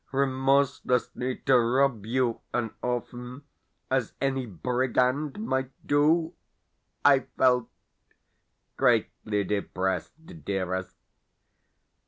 Remorselessly to rob you, an orphan, as any brigand might do? I felt greatly depressed, dearest.